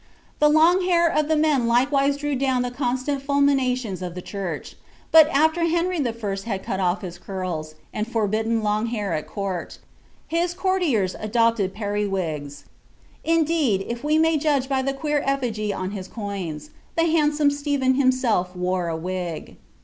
The long liAir of the men likewise drew down the constant fulmina tions of the church ; but after Henry I. had cut off his curls, and for bidden long hair at courts his courtiers adopted periwigs ; indeed, if we may judge by the queer effigy on his coins, the handsome Stephen him self wore a wtf.